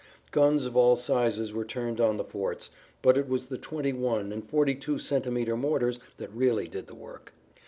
Guns of all sizes were turned on the forts, but it was the 21 and 42 centimeter mortars that really did the work.